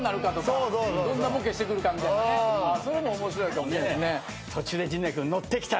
それも面白いかも。